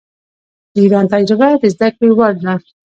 د ایران تجربه د زده کړې وړ ده.